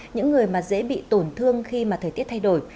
những người mà dễ bị tổn thương khi mà thời tiết thay đổi